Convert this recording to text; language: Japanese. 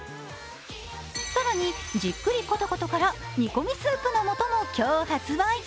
更に、じっくりコトコトから煮込みスープのもとも今日発売。